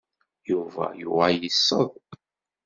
Yuba yuɣal yesseḍ.